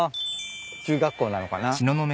中学校なのかな？